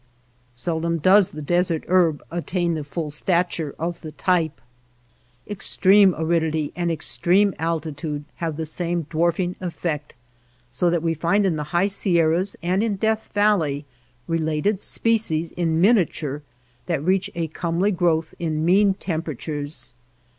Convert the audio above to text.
Seldom does the desert herb attain the full stature of the type. Extreme aridity and extreme altitude have the same dwarfing effect, so that we find in the high Sierras and in Death Valley related species in miniature that reach a comely growth in mean tem peratures.